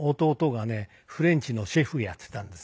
フレンチのシェフやっていたんです。